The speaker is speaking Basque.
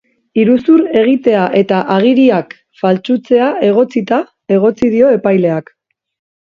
Iruzur egitea eta agiriak faltsutzea egotzita egotzi dio epaileak.